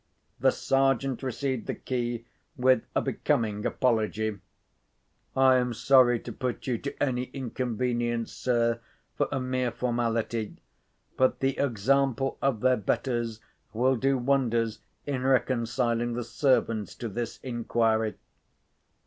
The Sergeant received the key with a becoming apology. "I am sorry to put you to any inconvenience, sir, for a mere formality; but the example of their betters will do wonders in reconciling the servants to this inquiry."